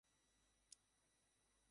আমি ভুল বলেছিলাম।